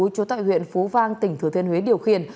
trú tại huyện phú vang tỉnh thừa thiên huế điều khiển